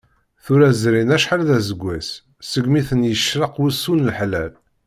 Tura zrin acḥal d aseggas, segmi ten-yecrek wusu n leḥlal.